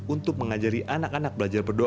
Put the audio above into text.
untuk mengajari anak anak belajar berdoa